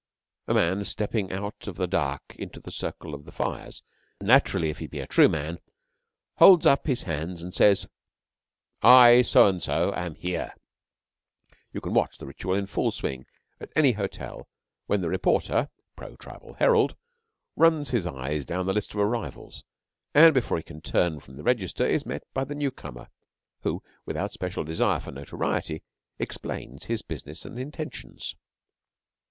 A man stepping out of the dark into the circle of the fires naturally, if he be a true man, holds up his hands and says, 'I, So and So, am here.' You can watch the ritual in full swing at any hotel when the reporter (pro Tribal Herald) runs his eyes down the list of arrivals, and before he can turn from the register is met by the newcomer, who, without special desire for notoriety, explains his business and intentions.